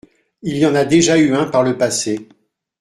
Il y en a déjà eu un par le passé.